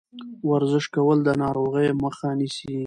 ورزش کول د ناروغیو مخه نیسي.